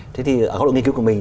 thế thì ở góc độ nghiên cứu của mình